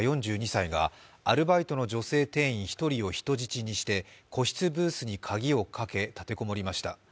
４２歳がアルバイトの女性店員１人を人質にして個室ブースに鍵をかけ立て籠もりました。